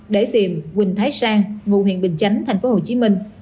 để tìm quỳnh thái sang ngụ huyện bình chánh tp hồ chí minh